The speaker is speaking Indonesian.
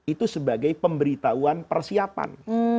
itu sebagai pemberitahuan persiapan